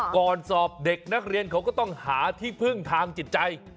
ก่อนสอบเด็กนักเรียนเขาก็ต้องหาที่พึ่งทางจิตใจ